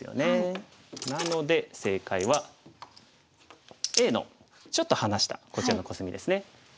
なので正解はＡのちょっと離したこちらのコスミですね。